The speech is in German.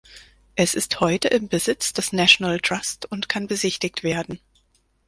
Es ist heute im Besitz des National Trust und kann besichtigt werden.